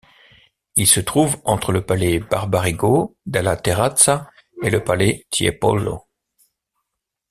Il se trouve entre le palais Barbarigo della Terrazza et le palais Tiepolo.